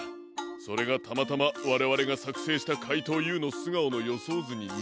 それがたまたまわれわれがさくせいしたかいとうＵのすがおのよそうずににていた。